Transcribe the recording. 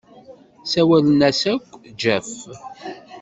Ssawalen-as akk Jeff.